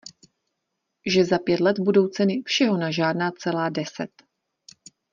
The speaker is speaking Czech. Že za pět let budou ceny všeho na žádná celá deset.